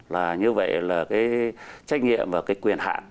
là như vậy là cái trách nhiệm và cái quyền hạn